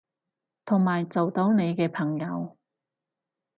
同埋做到你嘅朋友